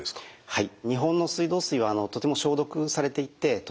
はい。